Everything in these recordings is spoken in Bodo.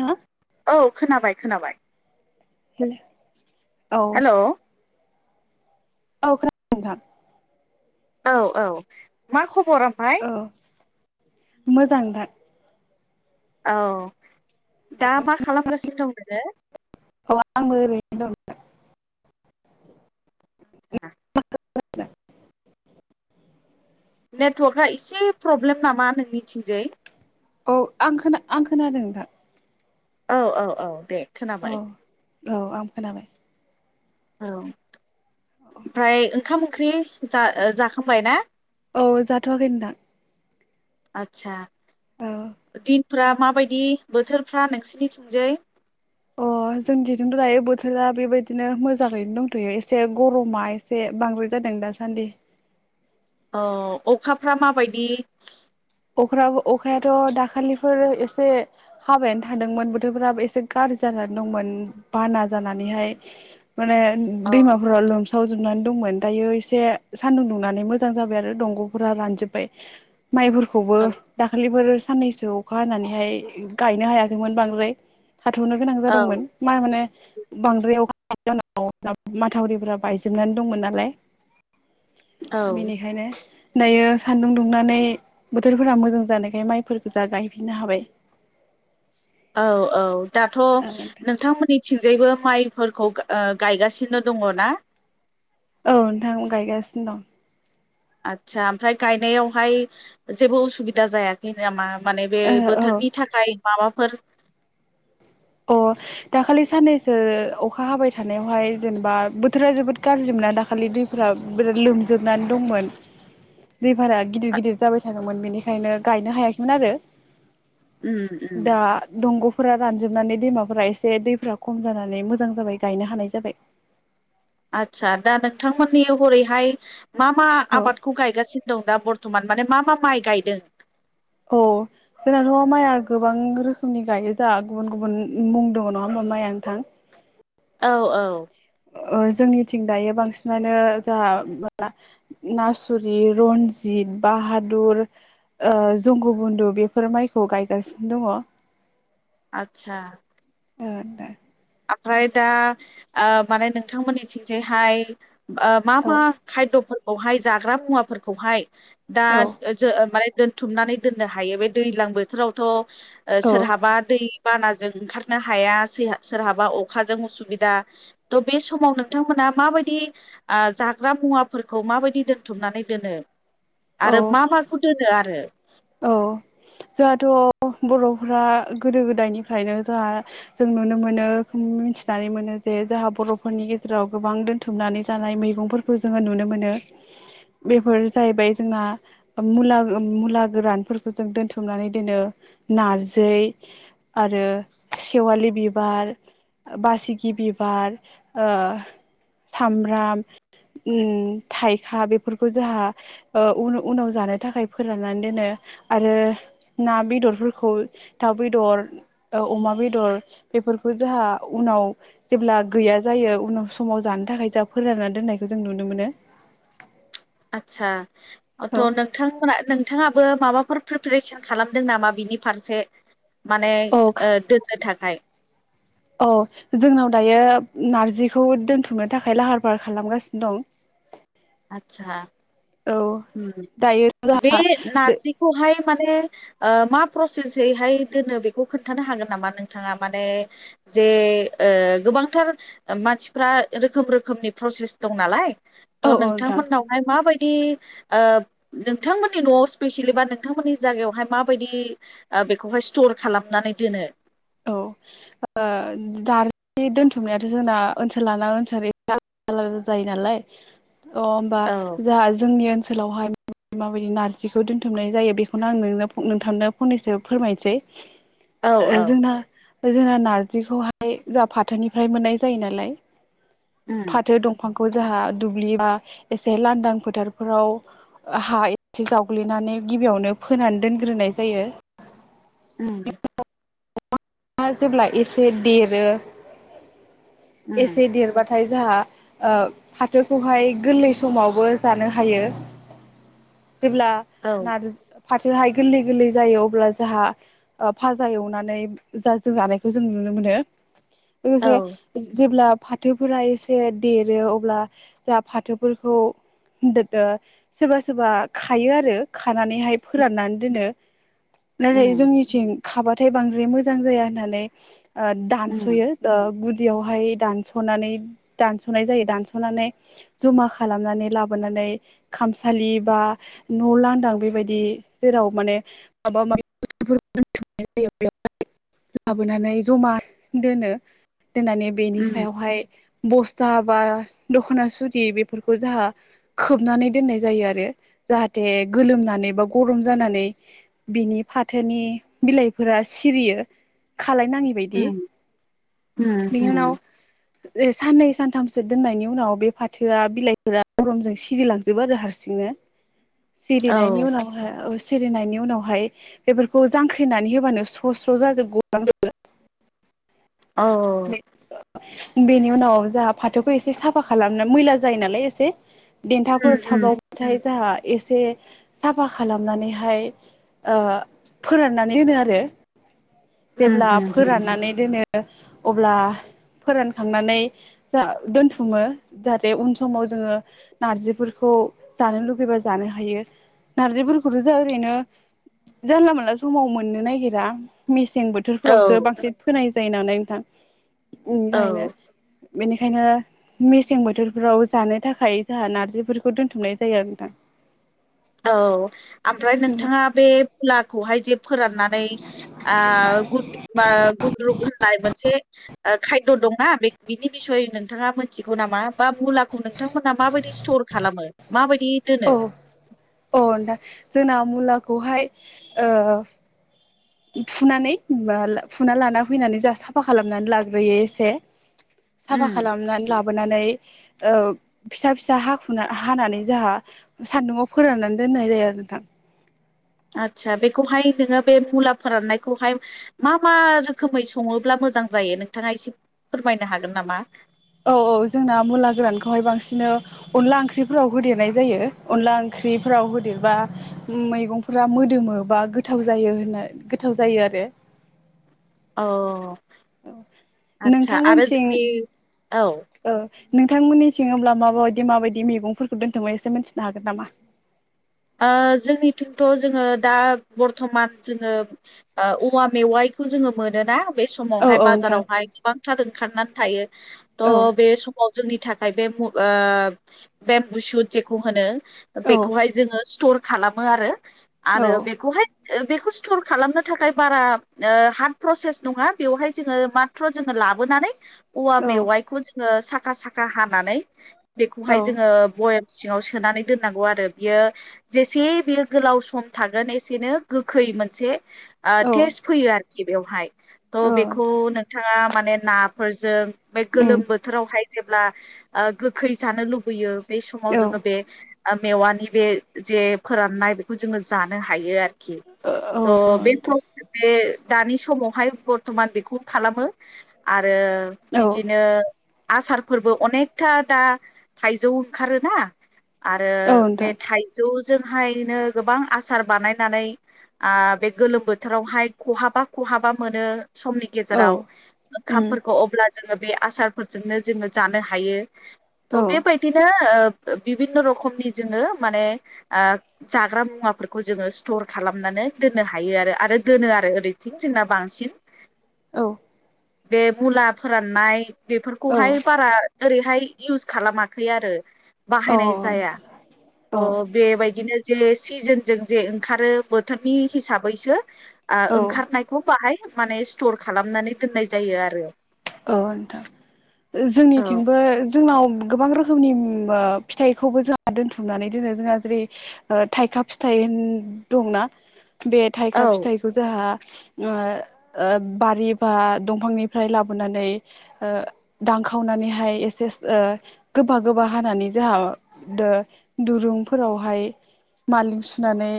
हा औ खोनाबाय खोनाबाय [inaudible] हेलौ औ खोनादों नोंथां औ औ मा खबर ओमफाय मोजांथा औ दा मा खालामगासिनो दं नोङो [inaudible] नोङो? [unintelligible] नेटवर्कआ एसे प्रब्लेम नामा नोंनिथिंजाय औ आं खोना आं खोनादों नोंथां औ औ औ दे औ खोनाबाय। औ आं खोनाबाय औ ओमफ्राय ओंखाम ओंख्रि जा जाखांबाय ना औ जाथवाखै नोंथां आदसा दिनफोरा मा बायदि बोथोरफ्रा नोंसिनिथिंजाय अ जों थिजों थह दायो बोथोरा बेबायदिनो मोजाङैनो दंथयो एसे गरमा एसे बांद्राय जादों दासान्दि अ अखाफ्रा माबायदि अख्रा अखायाथ दाखालिफोर एसे हाबायानो थादोंमोन बोथोरफोराबो एसे गाज्रि जानानै दंमोन बाना जानानैहाय माने औ दैमाफ्रा लोम सावजोबनानै दंमोन दायो एसे सानदुं दुंनानै मोजां जाबाय आरो दंगफोरा रानजोबाय माइफोर खौबो औ दाखालिफोर साननैसो अखा हानानैहाय गायनो हायाखैमोन बांद्राय। थाथ'नो गोनां औ जादोंमोन मा-माने। बांद्रायाव [unintelligible] माथावरिफ बायजोबनानै दंमोन नालाय। बेनिखायनो दायो सान्दुं दुंनानै बोथोरफोरा मोजां जानायखाय माइफोरफोरखौ जा गायफिननो हाबाय। औ औ दाथ' औ नोंथांमोननि थिंजायबो माइफोरखौ ओ गायगासिनो दङ ना? औ नोंथां गायगासिनो दं। आदसा ओमफ्राय गायनायावहाय जेबो उसुबिदा जायाखै नामा? माने बे ओ बोथोरनि थाखाय माबाफोर अ दाखालि साननैसो अखा हाबाय थानायावहाय जेनेबा बोथोरा जोबोद गाज्रि मोन। दाखालि दैफोरा बिराद लोमजोबनानै दंमोन। दै बारा गिदिर-गिदिर जाबाय थादोंमोन बेनिखायनो गायनो हायाखैमोन आरो उम उम दा दंग'फोरा रान जोबनानै दैमाफोरा एसे दैफ्रा खम जानानै मोजां जाबाय गायनो हानाय जाबाय। आदसा दा नोंथांमोननि हरैहाय मा मा औ आबादखौ गायगासिनो दं दा बर बर्थमान माने मा मा माइ गायदों। औ जोंनाथ' माइआ गोबां रोखोमनि गायो जोंहा गुबुन गुबुन मुं दङ नङा ओमबा माइआ नोंथां। औ औ ओ जोंनिथिं दायो बांसिनानो जोंहा मासुरि रनजि त बाहादुर ओ जंगु बन्दु बेफोर माइखौ गायगासिनो दङ। आतसा औ नोंथां ओमफ्राय दा ओ माने नोंथांमोननिथिंजायहाय ओ मा मा खायद'फोरखौहाय जाग्रा मुवाफोरखौहाय दा औ जो माने दोनथुमनानै दोननो हायो बे दैज्लां बोथोरावथ' ओ औ सोरहाबा दै बानाजों ओंखारनो हाया सैहा सोरहाबा अखाजों उसुबिदा थह बे समाव नोंथांमोनहा माबायदि जाग्रा मुवाफोरखौ माबायदि दोनथुमनानै दोनो औ आरो मा माखौ दोनो आरो औ जोंहाथ' बर'फोरा गोदो गोदायनिफ्रायनो जोंहा जों नुनो मोनो। मिथिनानै मोनो जे जाहा बर'फोरनि गेजेराव गोबां दोनथुमनानै जानाय मैगंफोरखौ जोङो नुनो मोनो। बेफोर जाहैबाय जोङा ओ मुला मुला। गोरानफोरखौ जों दोनथुमनानै दोनो नारजै आरो सेवालि बिबार ओ बासिगि बिबार ओ सामब्राम उम थाइखा बेफोरखौ जोंहा ओ उन-उनाव जानो थाखाय फोराननानै दोनो आरो ना बेदरफोरखौ दाउ बेदर अमा बेदर। बेफोरखौ जोंहा उनाव जेब्ला गैया जायो उनाव समाव जानो थाखाय जों फोरानना दोन नाय जों नुनो मोनो। आतसाथ' नोंथांमोना नोंथाङा। बो माबाफोर प्रिपेरेसन खालामदों नामा बिनि फारसे माने औ औ ओ दोननो थाखाय हाय औ जोंनाव दायो नारजिखौ दोनथुमनो थाखाय लाहार फाहार खालामगासिनो दं। [inaudible] आदसा औ ओम दायो बे नारजिखौहाय माने ओ मा प्रसेसैहाय दोनो बेखौ खोन्थानो हागोन नामा नोंथाङा माने जे ए ओ गोबांथार मानसिफ्रा रोखोम रोखोमनि प्रसेस दं नालाय औ थ' नोंथां नोंथांमोननावहाय माबायदि ओ नोंथांमोननि न'आव स्पेसियेलि बा नोंथांमोननि जायगायावहाय माबायदि आ बेखौहाय स्टल खर खालामनानै दोनो औ ओ दार बे दोनथुमनायाथ' जोंना ओनसोल लाना ओनसोलै आलादा आलादा जायो नालाय अ होमबा औ जाहा जोंनि ओनसोलावहाय माबायदि नारजिखौ दोन्थुमनाय जायो बेखौनो आं नोंथांनो फंनैसो फोरमायनोसै औ औ जोंना जोंना नारजिखौहाय जोंहा फाथोनिफ्राय मोननाय जायो नालाय उम फाथो दंफां खौ जोंहा दुब्लि बा एसे लांदां फोथारफोराव हा एसे जावग्लिनानै गिबियावनो फोनानै दोनग्रोनाय जायो। उम आ जेब्ला एसे देरो उम एसे देरबा नाथाय जोंहा आ फाथोखौहाय गोरलै समावबो जानो हायो। जेब्ला औ नारजि फाथोहाय गोरलै गोरलै जायो अब्ला जोंहा आ फाजा एवनानै जा जों जानायखौ जों नुनो मोनो औ लोगोसे जेब्ला फाथोफोरा एसे देरो अब्ला जा फाथोफोरखौ [unintelligible] सोरबा सोरबा खायो आरो खानानैहाय फोराननानै दोनो नाथाय उम जोंनिथिं खाबाथाय बांद्राय मोजां जाया होननानै आ उम दानसयो ओ बुद बियावहाय दानसनानै दानस'नाय जायो दानस'नानै जमा खालामनानै लाबोनानै नै खामसालि बा न' लांदां बेबायदि जेराव माने माबा माबि बस्थफोरखौ दथुमनाय ज बेयावहाय लाबोनानै जमा दोनो दोननानै बेनि उम सायावहाय बस्था बा दख'ना सुरि बेफोरखौ जाहा खोबनानै दोननाय जायो आरो जाहाथे गोलोमनानै बा गरम जानानै बिनि फाथोनि बिलाइफोरा सिरियो खालायनाङि बायदि उम उम ए साननै सानथामसो दोननायनि उनाव बे फाथोआ बिलाइफोरा गरमजों सिरिलांजोबो आरो हारसिं नो औ सिरिनायनि उनाव हाय ओ सिरिनायनि उनावहाय बेफोरखौ जांख्रिनानै होबानो स्र' स्र' जाजोब गलांजोबो औ बेनि उनाव जोंहा फाथोखौ एसे साफा खालामनो मैला जायो नालाय एसे देन्थाफोर थाबावाथाय जोंहा एसे साफा खालामनानैहाय ओ फोराननानै होनो आरो जेब्ला फोराननानै दोनो ओ अब्ला फोरानखांनानै जा दोनथुमो जाहाथे उन समाव जोङो नारजिफोरखौ खौ जानो लुबैबा जानो हायो नारजिफोरखौथ' जों ओरैनो जानला मोनला समाव मोननो नागिरा मेसें बोथोरफोरावसो बांसिन फोनाय जायो नालाय नोंथां ओखायनो बेनिखायनो मेसें बोथोरफोराव जानो थाखाय जोंहा नारजिफोरखौ दोनथुमनाय जायो आरो नोंथां। [unintelligible] औ आमफ्राय नोंथाङा बे फुलाखौहाय जे फोराननानै आ गुद गुग्रुब होनाय मोनसे ओ खायद' दंना बिनि बिसय नोंथाङा मिथिगौ नामा बा मुलाखौ नोंथांमोना माबायदि सटर खालामो माबायदि दोनो। अ नोंथां जोंना मुलाखौहाय ओ फुनानै फुना लाना फैनानै जा साफा खालामनानै लाग्रोयो एसे साफा खालामनानै लाबोनानै औ फिसा फिसा हाखुना हानानै जाहा सान्दुंआव फोराननानै दोननाय जायो। नोंथां आतसा बेखौहाय नोङो बे मुला फोराननायखौहाय मा मा रोखोमै सङोब्ला [unintelligible] मोजां जायो नोंथाङा एसे फोरमायनो हागोन नामा? औ औ जोंना मुला गोरानखौहाय बांसिननो अनला ओंख्रिफोराव होदेरनाय जायो। अनला ओंख ख्रिफोराव होदेरबा मैगंफोरा मोदोमो बा गोथाव जायो होनो गोथाव जायो आरो। [inaudible] अ आदसा आरो नोंथांमोनथिं जुदि औ ओ नोंथांमोननिथिं अब्ला माबा बायदि माबायदि मैगंफोरखौ दोनथुमनो हायो एसे मिथिनो हागोन नामा? ओ जोंनिथिंथ' जोङो दा बरथमान जोङो ओ औवा मेवाइ खौ जोङो मोनोना बे औ समावहाय औ नोंथां बाजारावहाय गोबांथार ओंखारनानै थायो त' औ बे समाव जोंनि थाखाय बे मु ओ बे गुसु जेखौ होनो औ बेखौहाय जोङो स्टर खालामो आरो औ आरो बेखौहाय ओ बेखौ स्टर खालामनो थाखाय बारा ओ हार्ड प्रसेस नङा। बेवहाय जोङो माथ्र' जोङो लाबोनानैै औवा मेवाइखौ जोङो साखा साखा हानानै बेखौहाय औ जोङो बय [unintelligible] सिङाव सोनानै दोननांगौ आरो बियो जेसे बियो गोलाव सम थागोन एसेनो गोखै मोनसे ओ औ औ टेस्ट फैयो आरोखि बेवहाय त' बेखौ नोंथाङा मानेन नाफोरजों बे उम गोलोम बोथोरावहाय जेब्ला ओ गोखै जानो लुबैयो बै समाव औ जोङो बे ओ मेवानि बे जे फोराननाय बेखौ जोङो जानो हायो आ [unintelligible] खि औ त' बे नोंथां [unintelligible] दानि समावहाय बरथ'मान बेखौ खालामो आरो औ बिदिनो आसारफोरबो अनेखथा दा थाइजौ ओंखारोना आरो नोंथां बे थाइजौ जोंहायनो गोबां आसार बानायनानै आ बे गोलोम बोथोरावहाय खहाबा खहा [unintelligible] हाबा मोनो समनि औ गेजेराव उम ओखामफोरखौ अब्ला जोङो बे आसारफोरजोंनो जोङो जानो हायो। त' औ बेबायदिनो ओ [unintelligible] बिबिनन' रखमनि जोङो माने ओ जाग्रा मुवाफोरखौ जोङो स्टर खालामनानै दोननो हायो आरो आरो दोनो आरो ओरैथिं जोंना बांसिन औ बे मुला फोराननाय बेफोरखौहाय औ बारा ओरैहाय इउस खालामाखै आरो बाहायनाय औ जाया औ अ' बेबायदिनो जे सिजोनजों जे ओंखारो बोथोरनि हिसाबैसो आ औ ओंखारनायखौ बाहाय माने स्टर खालामनानै दोननाय जायो आरो। औ नोंथां ओ औ जोंनिथिंबो जोंनाव गोबां रोखोमनि उम ओ फिथाइखौबो जोंहा दोनथुमनानै दोनो जोंहा जेरै ओ थाइखा फिथाइ [unintelligible] दंना बे थाइखा औ फिथाइखौ जोंहा ओ ओ बारि बा दंफांनिफ्राय लाब बोनानै ओ दानखावनानैहाय एसेस ओ गोबा गोबा हानानै जाहा ओ दो दुरुंफोरावहाय मालें सुनानै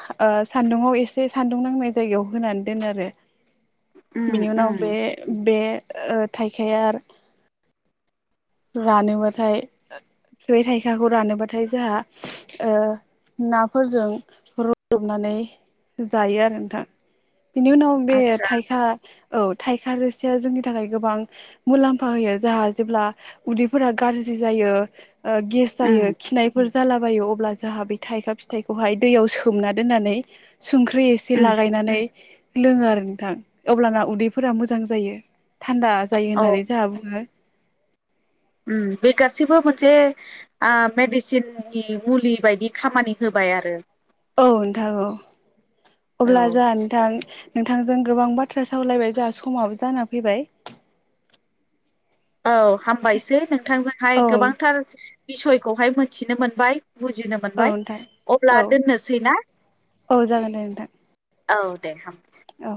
खा ओ सान्दुंआव एसे सान्दुं नांनाय जायगायाव होनानै दोनो आरो उम बिनि उनाव बे उम बे ओ थाइखायार रानोबाथाय [unintelligible] थै थाइखाखौ रानोबाथाय जोहा ओ नाफोरजों रुदबनानै जायो आरो नोंथां बिनि उनाव बे आतसा थाइखा औ थाइखा रोसिया जोंनि थाखाय गोबां मुलाम्फा होयो जाहा जेब्ला उदैफोरा गाज्रि जायो गेस जायो उम खिनायफोर जालाबायो अब्ला जोंहा बे थाइखा फिथाइखौहाय दैयाव सोमना दोननानै संख्रि एसे उम लागायनानै लोङो आरो नोंथां अब्लाना उदैफोरा मोजां जायो थान्दा जायो औ होननानै जोंहा बुङो उम बे गासैबो मोनसे ओ मेडिसिननि मुलि बायदि खामानि होबा आय आरो औ नोंथां औ औ अब्ला जों नोंथां नोंथांजों गोबां बाथ्रा सावलायबाय जोंहा समाबो जाना फैबाय। औ हामबायसै नोंथांजोंहाय औ गोबांथार बिसयखौहाय मिथिनो मोनबाय। बुजिनो औ मोनबाय नोंथां अब्ला औ दोननोसै ना औ जागोन दे नोंथां औ दे हा औ।